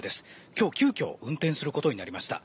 今日、急きょ運転することになりました。